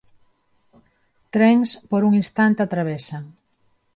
Trens por un instante atravesan.